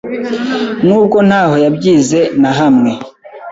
n’ubwo ntaho yabyize nahamwe,